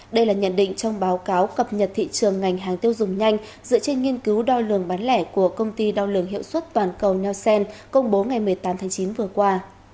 đây là nhận định trong báo cáo cập nhật thị trường ngành hàng tiêu dùng nhanh dựa trên nghiên cứu đo lường bán lẻ của công ty đo lường hiệu suất toàn cầu nelsen công bố ngày một mươi tám tháng chín vừa qua